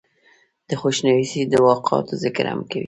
دَخوشنويسۍ دَواقعاتو ذکر هم کوي ۔